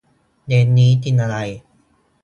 เย็นนี้กินอะไร